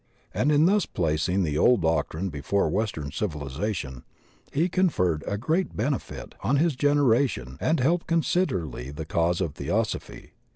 And in thus placing the old doctrine before western civil ization he cocierred a great benefit on his generation and helped considerably the cause of Theosophy.